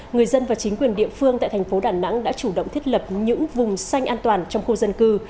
người dân và chính quyền địa phương tại thành phố đà nẵng đã chủ động thiết lập những vùng xanh an toàn trong khu dân cư